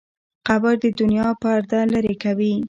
قبر د دنیا پرده لرې کوي.